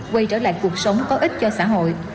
quay trở lại cuộc sống có ích cho xã hội